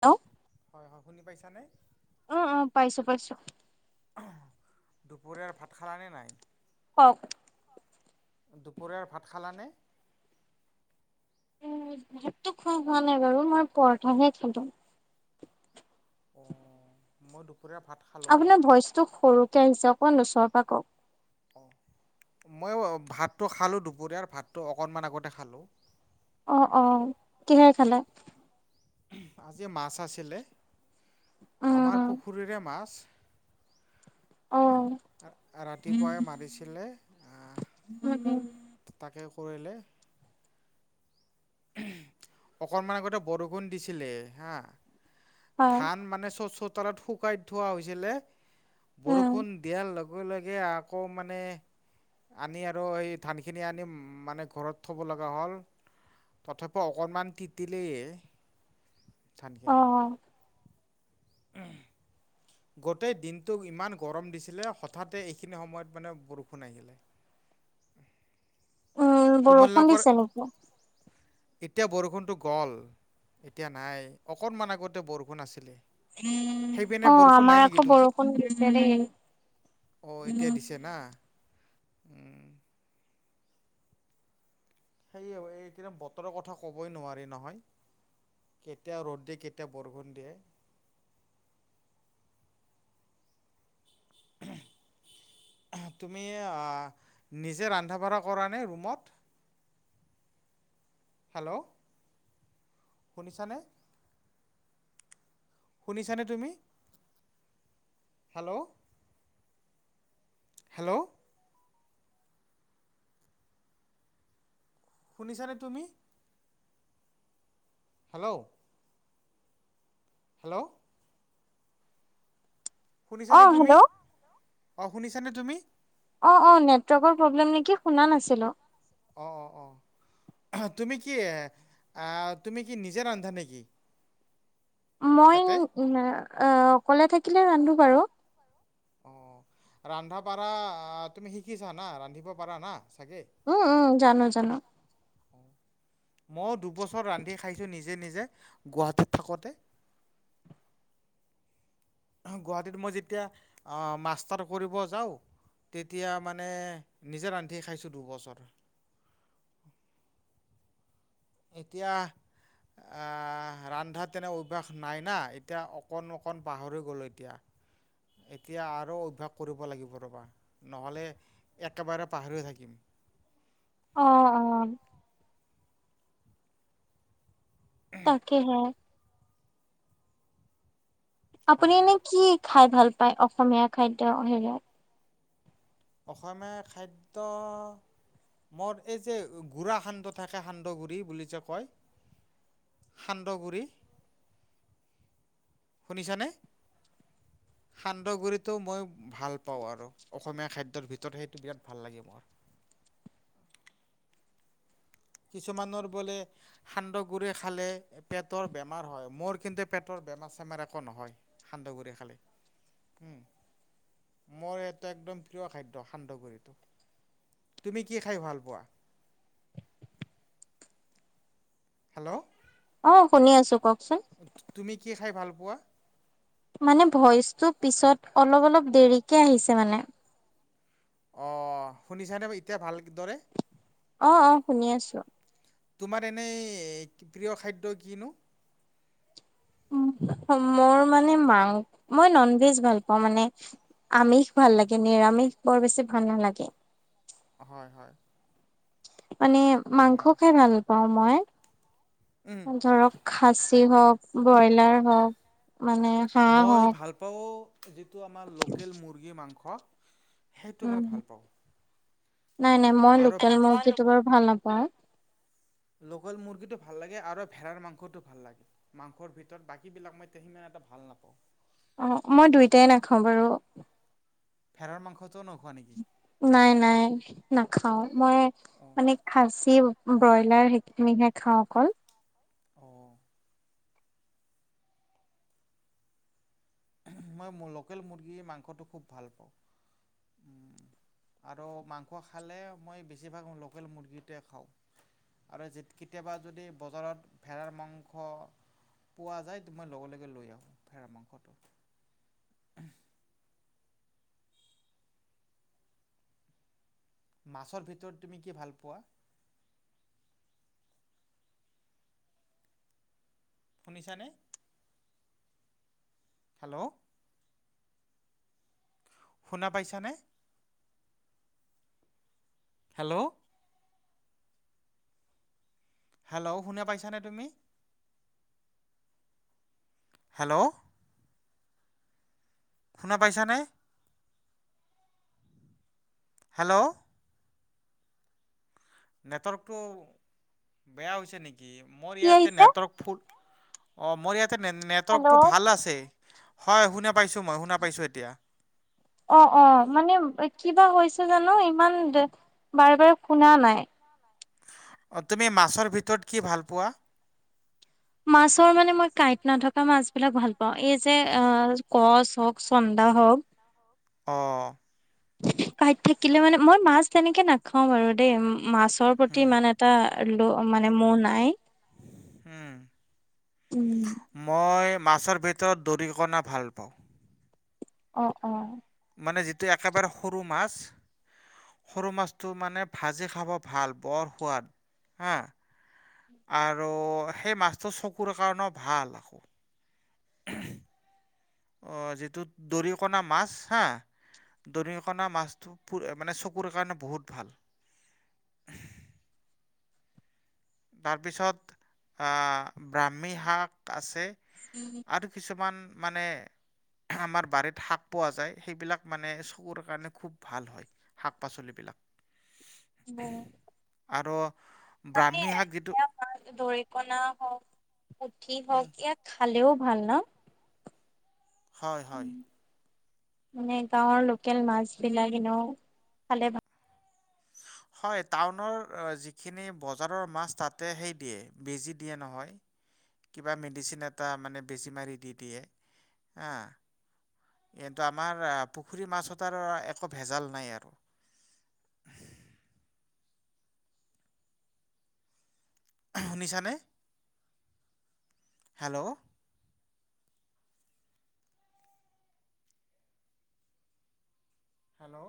Hello. হয় হয়, শুনি পাইছানে? অ অ, পাইছোঁ পাইছোঁ। দুপৰীয়াৰ ভাত খালানে নাই? কওক, দুপৰীয়াৰ ভাত খালানে? ভাতটো খোৱা হোৱা নাই বাৰু। মই পৰঠা হে খালো। অ, মই দুখ আপোনাৰ ভইচটো সৰুকে আহিছে। অকন মান‌ ওচৰৰ পৰা কওক। মইও ভাতটো খালো, দুপৰীয়াৰ ভাতটো। অকনমান আগতে খালো। অ অ, কিহেৰে খালে? আজি মাছ আছিলে। আমাৰ উম, পুখুৰীৰে মাছ। অ', ৰাতিপুৱাই মাৰিছিলে। এ উম, তাকে কৰিলে। অকণমান আগতে বৰষুণ দিছিলে হা। হয়, ধান মানে চো- চোতালত শুকাই থোৱা হৈছিলে, উম, বৰষুণ দিয়াৰ লগে লগে আকৌ মানে, আনি আৰু, সেই ধানখিনি আনি মানে ঘৰত থব লগা হ'ল। তথাপিও অকণমান তিতিলেই, ধানখিনি। অ', উহ। গোটেই দিনটো ইমান গৰম দিছিলে, হঠাতে এইখিনি সময়ত মানে বৰষুণ আহিলে। উম্। উম। বৰষুণ দিছে নেকি? এতিয়া বৰষুণতটো গল, এতিয়া নাই। অকণমান আগতে বৰষুণ আছিলে। সেইপিনে অ, বৰষুণ নাই আমাৰ নেকি আকৌ তুম বৰষুণ দিছে দেই। অ এতিয়া দিছে না উম। সেইয়ে এই একদম বতৰৰ কথা কবই নোৱাৰি নহয়। কেতিয়া ৰ'দ দিয়ে কেতিয়া বৰষুণ দিয়ে। [inaudible] তুমি নিজে ৰন্ধা বঢ়া কৰা নে ৰুমত। হেল্ল'। শুনিছানে? শুনিছানে তুমি। হেল্ল'। হেল্ল'। শুনিছানে তুমি? হেল্ল'। হেল্ল'। অ', শুনিছানে তুমি হেল্ল' অ শুনিছানে তুমি? অ অ, নেটৱৰ্কৰ প্ৰব্লেম নেকি শুনা নাছিলো। অ অ অ। তুমি কি আহ তুমি কি নিজে ৰন্ধা নেকি। মই তাতে? অকলে থাকিলে ৰান্ধো বাৰু। অ, ৰান্ধা পঢ়া তুমি শিকিছা না ৰান্ধিব পাৰা না। চাগে? উম উম, জানো জানো। [unintelligible] ময়ো দুবছৰ ৰান্ধি খাইছোঁ নিজে নিজে, গুৱাহাটীত থাকোঁতে। [inaudible] গুৱাহাটীত মই যেতিয়া মাষ্টাৰ কৰিব যাওঁ। তেতিয়া মানে নিজে ৰান্ধিে খাইছোঁ দুবছৰ। উ [unintelligible] এতিয়া। আহ ৰন্ধা তেনে অভ্যাস নাই না, এতিয়া অকণ অকণ পাহৰি গলো এতিয়া। এতিয়া আৰু অভ্যাস কৰিব লাগিব ৰ'বা নহ'লে একেবাৰে পাহৰি থাকিম। উ [inaudible] অ অ। তাকে হে। আপুনি হয় এনে কি খাই ভাল পায়, অসমীয়া খাদ্য হেৰিয়ত? অসমীয়া খাদ্য। মোৰ এই যে গুড়া সান্দহ থাকে সান্দহ গুড়ি বুলি যে কয়। সান্দগু়ৰি। শুনিছ নে? সান্দহগুৰিটো মই ভাল পাওঁ আৰু অসমীয়া খাদ্যৰ ভিতৰত সেইটো বিৰাট ভাল লাগে মোৰ। অঁ। কিছুমানৰ বোলে খালে পেটৰ বেমাৰ হয় মোৰ কিন্তু পেটৰ [inaudible] বেমাৰ চেমাৰ একো নহয় সান্দহগুৰিি খালে [unintelligible] মোৰ এটা একদম প্ৰিয় খাদ্য সান্দহগুৰিটো। তুমি কি খাই ভাল পোৱা? হেল্ল' অ শুনি আছো কওকচোন। তুমি কি খাই ভাল পোৱা? মানে ভইচটো পিছত অলপ অলপ দেৰিকে আহিছে মানে। অ শুনিছনে এতিয়া ভাল দৰে। অ অ শুনি আছো। তোমাৰ এনেই প্ৰিয় খাদ্য কিনো? মোৰ মানে মাং মই নন ভেজ ভাল পাওঁ মানে, আমিষ ভাল লাগে নিৰামিষ বৰ বেছি ভাল নালাগে। হয় হয় মানে মাংস উম খাই ভাল পাওঁ মই উম ধৰক খাচী হওক ব্ৰইলাৰ হওক মানে হাঁহ মই হওক ভাল পাওঁ যিটো আমাৰ লোকেল মুৰ্গী মাংস সেইটো মই উম, ভাল পাওঁ নাই নাই মই আৰু লোকেল মুৰ্গীটো বাৰু ভাল নাপাওঁ লোকেল মুৰ্গীটো ভাল লাগে আৰু ভেড়াৰ মাংসটো ভাল লাগে মাংসৰ ভিতৰত বাকী বিলাক মই ভাল নাপাওঁ অ', মই দুইটাই নাখাওঁ বাৰু ভেৰাৰ মাংসটোও নোখোৱা নেকি? নাই নাই নাখাও মই অ', মানে খাচিও ব্ৰইলাৰ সেইখিনিহে খাওঁ অকল অঁ মই লোকেল মুৰ্গীৰ মাংসটো খুব ভাল পাওঁ। আৰু মাংস খালে মই বেছিভাগ লোকেল মুৰ্গীতোৱেই খাওঁ। আৰু কেতিয়াবা যদি বজাৰত ভেৰাৰ মাংস পোৱা যায় মই লগে লগে লৈ আহো মাংসটো মাছৰ ভিতৰত তুমি কি ভাল পোৱা? শুনিছা নে? হেল্ল' শুনা পাইছানে? হেল্ল'। হেল্ল' শুনা পাইছানে তুমি? হেল্ল'। শুনা পাইছা নে। হেল্ল'। নেটৱৰ্কটো, বেয়া হৈছে নেকি মোৰ কি ইয়াতে আহিছে নেটৱৰ্ক ফুল। অ মোৰ ইয়াতে হেল্ল' নেটৱৰ্ক টো ভাল আছে। হয় শুনা পাইছোঁ মই শুনা পাইছোঁ এতিয়া। অ অ মানে কিবা হৈছে জানো ইমান, বাৰে বাৰে শুনা নাই। তুমি মাছৰ ভিতৰত কি ভাল পোৱা? মাছৰ মানে মই কাঁইট নথকা মাছ বিলাক ভাল পাওঁ এই যে অ। কচ হওক চন্দা হওক। আহ। কাইত থাকিলে মানে মই মাছ তেনেকে নাখাও বাৰু দেই মাছৰ প্ৰতি ইমান এটা। মানে মোৰ লো নাই। উম, উম মই। মাছৰ ভিতৰত দৰিকণা ভাল পাওঁ। অ অ। মানে যিটো একেবাৰে সৰু মাছ। সৰু মাছটো মানে ভাজি খাব ভাল বৰ সোৱাদ, হা। আৰু সেই মাছটো চকুৰ কাৰণেও ভাল আকৌ। [unintelligible] অ যিটো দৰিকণা মাছ হা। দৰিকণা মাছটো মানে চকুৰ কাৰণে বহুত ভাল। [unintelligible] তাৰ পিছত, আহ ব্ৰাহ্মী শাক আছে। আৰু কিছুমান মানে। আমাৰ বাৰীত শাক পোৱা যায় সেইবিলাক মানে চকুৰ কাৰণে খুব ভাল হয় শাক পাচলিবিলাক। ল। আৰু, ব্ৰাহ্মী শাক যিটো দৰিকনা হওক, পুঠি উম, হওক ইয়াক খালেও' ভাল ন। হয় হয়। মানে গাঁৱৰ লোকেল মাছ বিলাক এনেও, খালে ভাল। হয় টাওনৰ যিখিনি বজাৰৰ মাছ তাতে সেৰি দিয়ে, বেজী দিয়ে নহয়। কিবা মেডিচিন এটা মানে বেছি মাৰি দি দিয়ে, হা। কিন্তু আমাৰ পুখুৰী মাছতাৰ একো ভেজাল নাই আৰু। [unintelligible] শুনিছা নে হেল্ল'? হেল্ল'?